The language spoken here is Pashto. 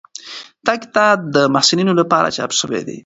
دا کتاب د محصلینو لپاره چاپ شوی دی.